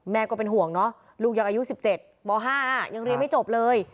ก็เป็นห่วงเนอะลูกยังอายุ๑๗ม๕ยังเรียนไม่จบเลย